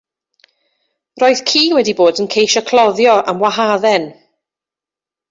Roedd ci wedi bod yn ceisio cloddio am wahadden.